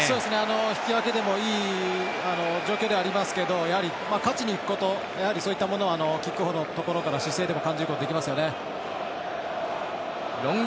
引き分けでもいい状況ではありますけどやはり勝ちにいくことやはり、そういったものをキックオフのところの姿勢から感じることができますよね。